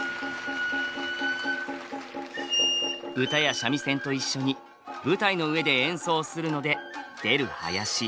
唄や三味線と一緒に舞台の上で演奏するので「出る囃子」